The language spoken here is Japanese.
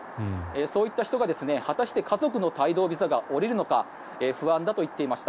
そういった人が、果たして家族の帯同ビザが下りるのか不安だと言っていました。